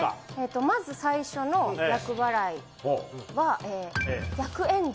まず最初の厄払いは、厄炎上！